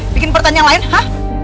bikin pertanyaan lain ha